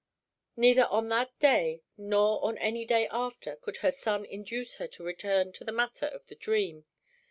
Neither on that day nor on any day after could her son induce her to return to the matter of the dream.